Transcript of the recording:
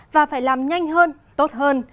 và phải làm nhanh hơn tốt hơn